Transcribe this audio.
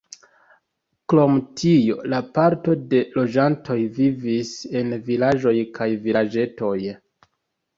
Krom tio, la parto de loĝantoj vivis en vilaĝoj kaj vilaĝetoj.